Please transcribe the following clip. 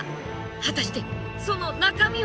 果たしてその中身は？